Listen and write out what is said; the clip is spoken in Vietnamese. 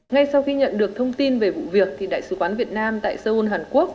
ngay sau khi nhận được thông tin về vụ việc thì đại sứ quán việt nam tại seoul hàn quốc